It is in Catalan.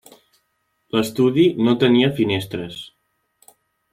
L'estudi no tenia finestres.